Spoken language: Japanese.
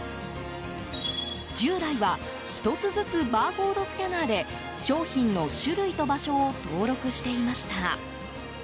従来は１つずつバーコードスキャナーで商品の種類と場所を登録していました。